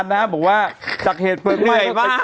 พูดว่าจักรยานยนต์นี้นะครับ